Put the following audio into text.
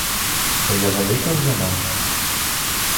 То я велика вже, мамо?